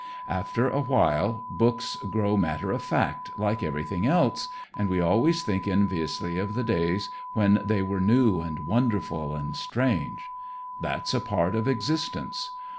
After a while books grow matter of fact like everything else and we always think enviously of the days when they were new and wonderful and strange. That's a part of existence.